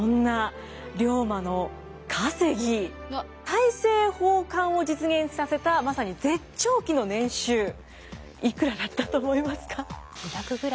大政奉還を実現させたまさに絶頂期の年収いくらだったと思いますか？